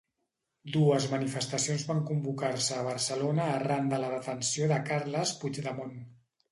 Dues manifestacions van convocar-se a Barcelona arran de la detenció de Carles Puigdemont.